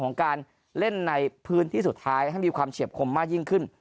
ของการเล่นในพื้นที่สุดท้ายให้มีความเฉียบคมมากยิ่งขึ้น